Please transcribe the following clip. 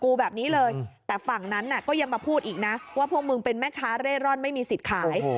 อื้อแต่ฝั่งนั้นน่ะก็เรียบมาพูดอีกน้าว่าพวกมึงเป็นแมทคาร์ดเรอรอนไม่มีศิษย์ขาย